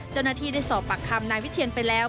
เจ้าหน้าที่ได้สอบปากคำนายวิเชียนไปแล้ว